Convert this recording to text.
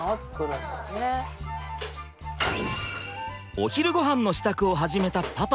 お昼ごはんの支度を始めたパパ。